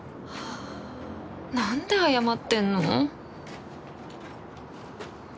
なんで謝ってんの？